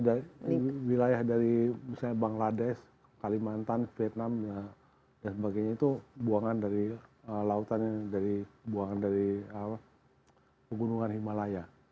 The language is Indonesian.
iya wilayah dari bangladesh kalimantan vietnam dan sebagainya itu buangan dari lautan buangan dari gunungan himalaya